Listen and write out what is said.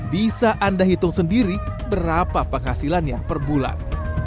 bisa anda hitung sendiri berapa penghasilannya per bulan